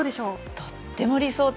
とっても理想的。